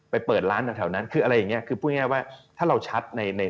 ไปเปิดร้านที่แถวนั้นคืออะไรอย่างนี้